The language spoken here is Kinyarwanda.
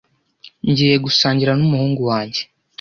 Ngiye gusangira n'umuhungu wanjye.